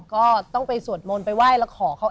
ก็ต้องไปสวดมนต์ไปไหว้แล้วขอเขา